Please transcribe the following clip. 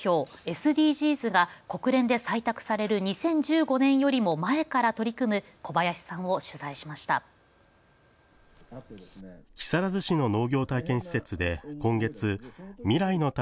・ＳＤＧｓが国連で採択される２０１５年よりも前から取り組む小林さんを取材しました。